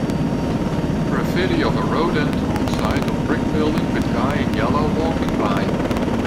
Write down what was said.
Graffiti of a rodent on side of brick building with guy in yellow walking by.